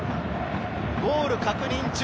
ゴール確認中。